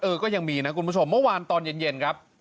ก็ยังมีนะคุณผู้ชมเมื่อวานตอนเย็นครับ